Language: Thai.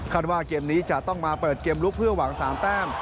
ว่าเกมนี้จะต้องมาเปิดเกมลุกเพื่อหวัง๓แต้ม